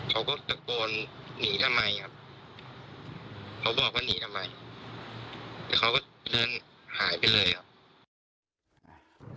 เขาก็ตะโกนหนีทำไมเขาบอกว่านี่ทำไมแต่เขาก็เดินหายไปเลย